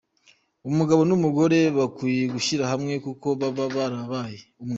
Umugabo n’umugore bakwiye gushyira hamwe kuko baba barabaye umwe.